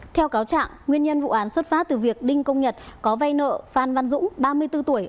theo cáo trạng nguyên nhân vụ án xuất phát từ việc đinh công nhật có vay nợ phan văn dũng ba mươi bốn tuổi